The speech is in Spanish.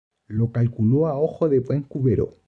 Lo calculó a ojo de buen cubero